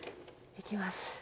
いきます。